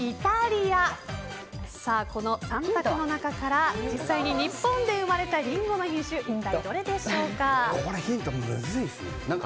この３択の中から実際に日本から生まれたリンゴの品種ヒントむずいですね。